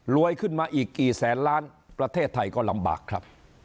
ขึ้นมาอีกกี่แสนล้านประเทศไทยก็ลำบากครับ